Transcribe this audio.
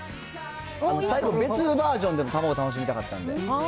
最後別のバージョンでも卵楽しみたかったんで。